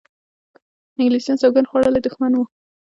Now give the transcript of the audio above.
انګلیسیانو سوګند خوړولی دښمن وو.